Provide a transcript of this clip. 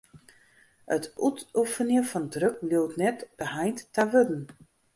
It útoefenjen fan druk bliuwt net beheind ta wurden.